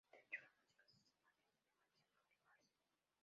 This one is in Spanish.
De hecho la música se parece demasiado a el Vals.